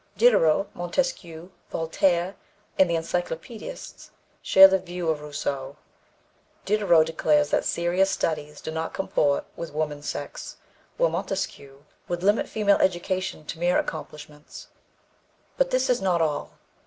Diderot, Montesquieu, Voltaire and the Encyclopedists share the views of Rousseau. Diderot declares that serious studies do not comport with woman's sex, while Montesquieu would limit female education to mere accomplishments. But this is not all.